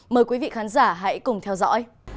mời quý vị khán giả hãy cùng theo dõi